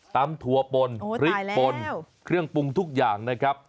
ถั่วปนพริกปนเครื่องปรุงทุกอย่างนะครับ